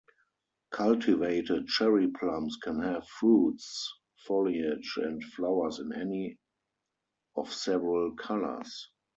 Cultivated cherry plums can have fruits, foliage, and flowers in any of several colours.